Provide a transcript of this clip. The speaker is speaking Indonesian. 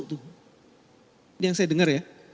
ini yang saya dengar ya